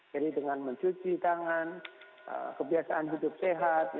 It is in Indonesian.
jadi dengan mencuci tangan kebiasaan hidup sehat